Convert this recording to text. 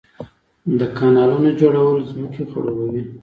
د کانالونو جوړول ځمکې خړوبوي